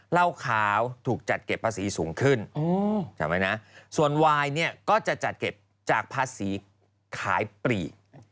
เหล้าขาวถูกจัดเก็บภาษีสูงขึ้นใช่ไหมนะส่วนวายเนี่ยก็จะจัดเก็บจากภาษีขายปลีก